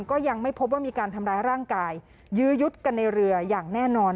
ก็ยังไม่พบว่ามีการทำร้ายร่างกายยื้อยุดกันในเรืออย่างแน่นอน